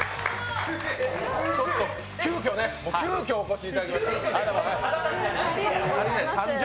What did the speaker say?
急きょお越しいただきました。